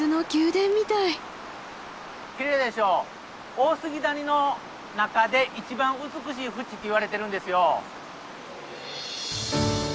大杉谷の中で一番美しい淵っていわれてるんですよ。